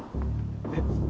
えっ？